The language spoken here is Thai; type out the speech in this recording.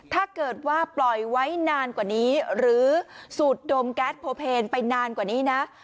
ถ้าเกิดว่าปล่อยไว้นานกว่านี้หรือสูดดมแก๊สโพเพลนไปนานกว่านี้นะ